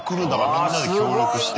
みんなで協力して。